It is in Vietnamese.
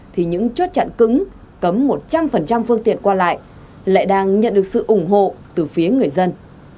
thì những chốt chặn cứng cấm một trăm linh phương tiện qua lại lại đang nhận được sự ủng hộ từ phía người dân